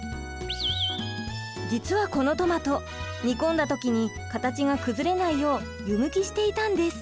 実はこのトマト煮込んだ時に形が崩れないよう湯むきしていたんです。